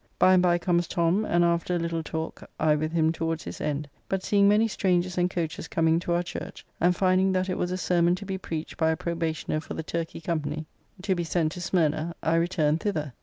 By and by comes Tom, and after a little talk I with him towards his end, but seeing many strangers and coaches coming to our church, and finding that it was a sermon to be preached by a probationer for the Turkey Company, [The Turkey or Levant Company was established in 1581.] to be sent to Smyrna, I returned thither.